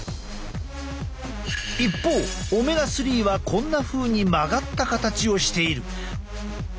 一方オメガ３はこんなふうに曲がった形をしている。